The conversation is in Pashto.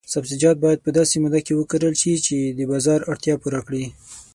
سبزیجات باید په داسې موده کې وکرل شي چې د بازار اړتیا پوره کړي.